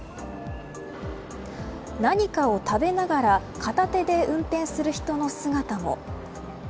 何かを食べながら片手で運転する人の姿も。